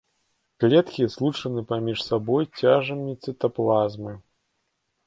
Клеткі злучаны паміж сабой цяжамі цытаплазмы.